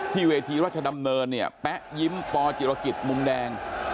ที่เวทีราชดำเนินแป๊ะยิ้มปจิตรกิจมุมแดง